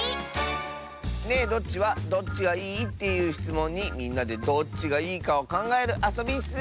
「ねえどっち？」は「どっちがいい？」っていうしつもんにみんなでどっちがいいかをかんがえるあそびッス。